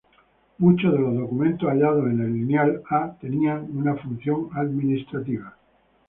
Muchos de los documentos hallados en lineal A tenían una función administrativa.